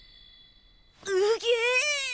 うげえ。